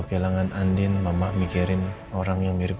kalau memang abi orangnya baik